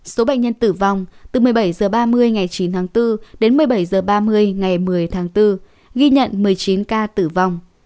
số bệnh nhân tử vong từ một mươi bảy h ba mươi ngày chín tháng bốn đến một mươi bảy h ba mươi ngày một mươi tháng bốn ghi nhận một mươi chín ca tử vong